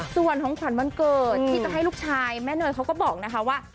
ส่วนของขวัญวันเกิดที่จะให้ลูกชายแม่เนยเขาก็บอกนะคะว่า